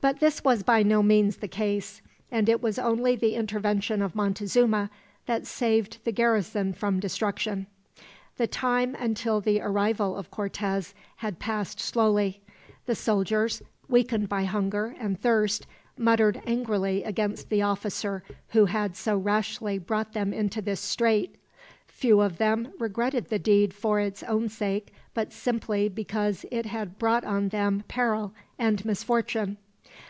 But this was by no means the case, and it was only the intervention of Montezuma that saved the garrison from destruction. The time until the arrival of Cortez had passed slowly. The soldiers, weakened by hunger and thirst, muttered angrily against the officer who had so rashly brought them into this strait. Few of them regretted the deed for its own sake, but simply because it had brought on them peril and misfortune.